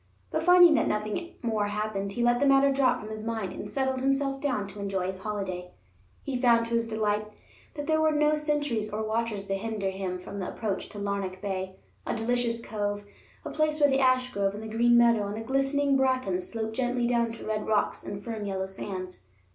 But finding that nothing more happened, he let the matter drop from his mind, and settled himself down to enjoy his holiday. He found to his delight that there were no sentries or watchers to hinder him from the approach to Larnac Bay, a delicious cove, a place where the ashgrove and the green meadow and the glistening bracken sloped gently down to red rocks and firm yellow sands.